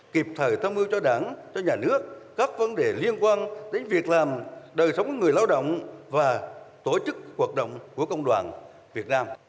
kịp thời tham mưu cho đảng cho nhà nước các vấn đề liên quan đến việc làm đời sống của người lao động và tổ chức hoạt động của công đoàn việt nam